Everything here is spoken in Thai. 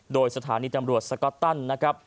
โดยสถานีตำรวจสก๊อตตันนะครับ